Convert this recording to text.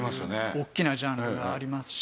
大きなジャンルがありますし。